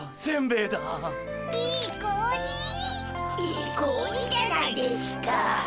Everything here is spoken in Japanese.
いい子鬼じゃないでしゅかっ。